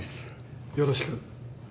よろしく。